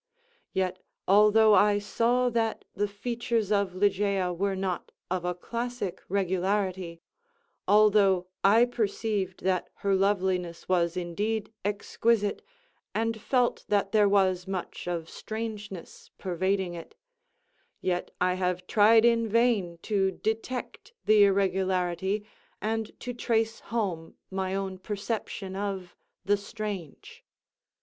Yet, although I saw that the features of Ligeia were not of a classic regularity—although I perceived that her loveliness was indeed "exquisite," and felt that there was much of "strangeness" pervading it, yet I have tried in vain to detect the irregularity and to trace home my own perception of "the strange."